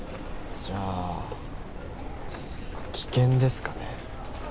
じゃあ棄権ですかね。